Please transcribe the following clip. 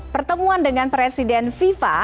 pertemuan dengan presiden fifa